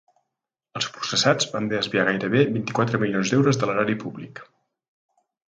Els processats van desviar gairebé vint-i-quatre milions d’euros de l’erari públic.